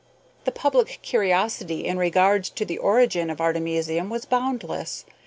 The public curiosity in regard to the origin of artemisium was boundless.